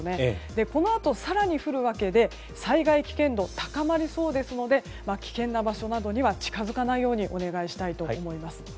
このあと、更に降るわけで災害危険度が高まりそうですので危険な場所には近づかないようにお願いします。